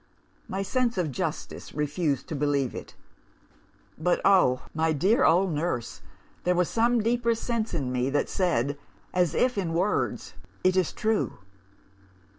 My sense of justice refused to believe it. But, oh, my dear old nurse, there was some deeper sense in me that said, as if in words, It is true!